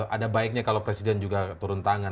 ada baiknya kalau presiden juga turun tangan